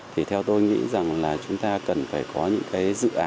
thì theo tôi nghĩ rằng là chúng ta cần phải có những cái dự án